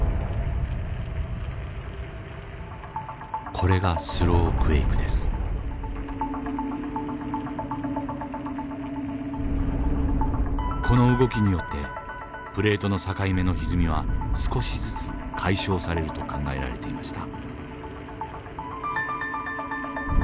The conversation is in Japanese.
これがこの動きによってプレートの境目のひずみは少しずつ解消されると考えられていました。